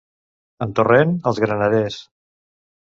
En Torrent, els granerers.